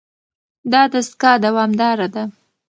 دا دستګاه دوامداره ده.